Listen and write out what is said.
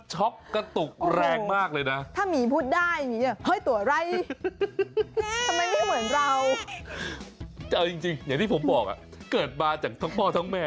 จริงอย่างที่ผมบอกว่าเกิดมาจากท้องพ่อท้องแม่